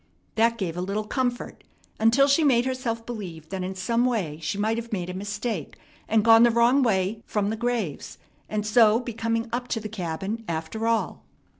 That gave a little comfort until she made herself believe that in some way she might have made a mistake and gone the wrong way from the graves, and so be coming up to the cabin after all.